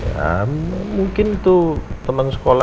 ya mungkin tuh teman sekolah